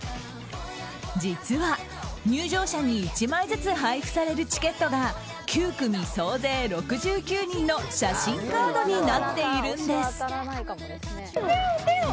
実は、入場者に１枚ずつ配布されるチケットが９組総勢６９人の写真カードになっているんです。